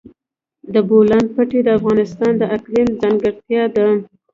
د بولان پټي د افغانستان د اقلیم ځانګړتیا ده.